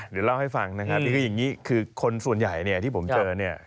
เดี๋ยวเล่าให้ฟังคืออย่างนี้คนส่วนใหญ่ที่ผมเจอ